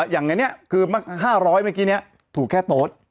อย่างนี้คือ๕๐๐เมื่อกี้นี้ถูกแค่โต๊ด